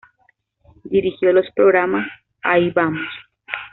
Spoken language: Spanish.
Dirigió los programas "Ahí Vamos!